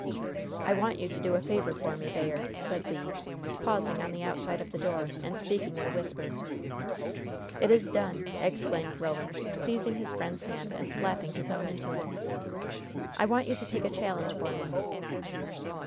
"I want you to do a favor for me, Bayard," said Le, pausing on the outside of the door, and speaking in a whisper. "It is done!" exclaimed Roland, seizing his friend's hand and slapping his own into it. "I want you to take a challenge for me."